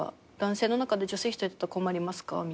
「男性の中で女性一人やと困りますか？」